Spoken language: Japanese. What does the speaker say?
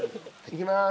いきます。